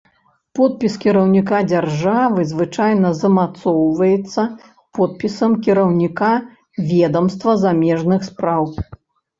Подпіс кіраўніка дзяржавы звычайна замацоўваецца подпісам кіраўніка ведамства замежных спраў.